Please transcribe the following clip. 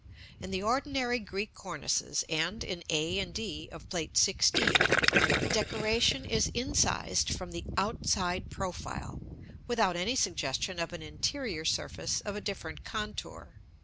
In the ordinary Greek cornices, and in a and d of Plate XVI., the decoration is incised from the outside profile, without any suggestion of an interior surface of a different contour.